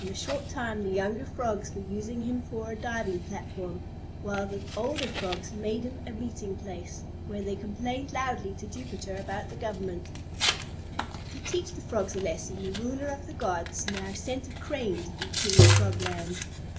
In a short time the younger Frogs were using him for a diving platform, while the older Frogs made him a meeting place, where they complained loudly to Jupiter about the government. To teach the Frogs a lesson the ruler of the gods now sent a Crane to be king of Frogland.